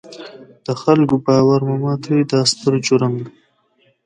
د خلکو باور مه ماتوئ، دا ستر جرم دی.